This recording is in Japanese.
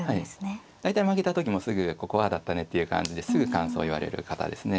大体負けた時もすぐここああだったねっていう感じですぐ感想を言われる方ですね。